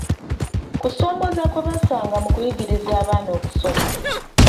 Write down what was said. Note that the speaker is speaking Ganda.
kusoomooza kwe basanga mu kuyigiriza abaana okusoma.